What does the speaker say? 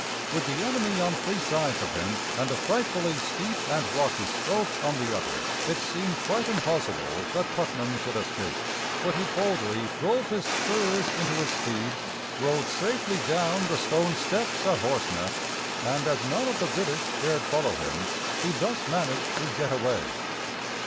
With the enemy on three sides of him, and a frightfully steep and rocky slope on the other, it seemed quite impossible that Putnam should escape. But he boldly drove his spurs into his steed, rode safely down the stone steps at Horse´neck, and as none of the British dared follow him, he thus managed to get away.